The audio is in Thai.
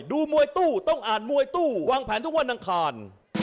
ดูมวยตู้ต้องอ่านมวยตู้วางแผนทุกวันอังคาร